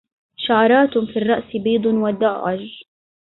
شعرات في الرأس بيض ودعج